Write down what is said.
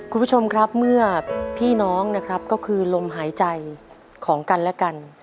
คุณผู้ชมครับเมื่อพี่น้องนะครับก็คือลมหายใจของกันและกัน